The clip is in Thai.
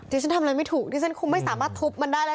ฉันทำอะไรไม่ถูกดิฉันคงไม่สามารถทุบมันได้แล้ว